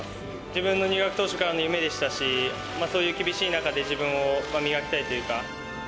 自分の入学当初からの夢でしたし、そういう厳しい中で自分を磨きたいというか。